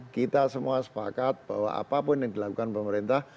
kita semua sepakat bahwa apapun yang dilakukan pemerintah